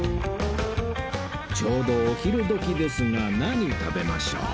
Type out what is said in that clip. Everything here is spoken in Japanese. ちょうどお昼時ですが何食べましょう